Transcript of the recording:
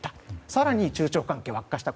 更に中朝関係は悪化した。